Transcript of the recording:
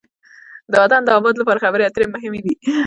د وطن د آباد لپاره خبرې اترې مهمې دي.